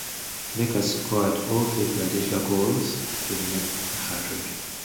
Baker scored all three Philadelphia goals to net a hat trick.